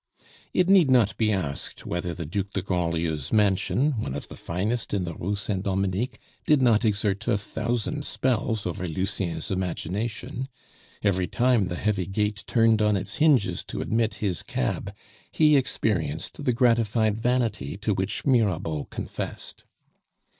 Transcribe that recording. It need not be asked whether the Duc de Grandlieu's mansion, one of the finest in the Rue Saint Dominique, did not exert a thousand spells over Lucien's imagination. Every time the heavy gate turned on its hinges to admit his cab, he experienced the gratified vanity to which Mirabeau confessed.